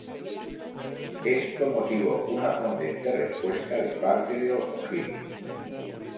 Esto motivó una contundente respuesta de parte de O'Higgins.